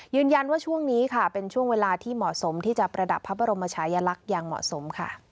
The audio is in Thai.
ช่วงนี้ค่ะเป็นช่วงเวลาที่เหมาะสมที่จะประดับพระบรมชายลักษณ์อย่างเหมาะสมค่ะ